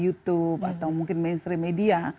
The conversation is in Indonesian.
youtube atau mungkin mainstream media